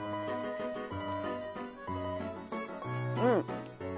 うん。